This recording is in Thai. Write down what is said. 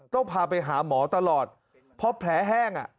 ต้องพาไปหาหมอตลอดเพราะแผลแห้ง